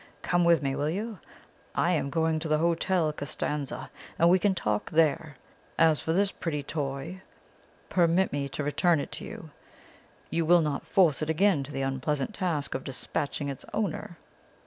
Come with me, will you? I am going to the Hotel Costanza, and we can talk there. As for this pretty toy, permit me to return it to you. You will not force it again to the unpleasant task of despatching its owner.'